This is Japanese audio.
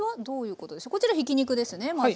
こちらひき肉ですねまず。